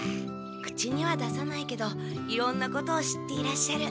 口には出さないけどいろんなことを知っていらっしゃる。